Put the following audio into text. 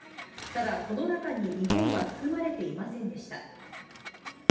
ただ、この中に日本は含まれていませんでした。